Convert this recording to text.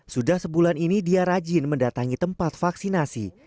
sudah sebulan ini dia rajin mendatangi tempat vaksinasi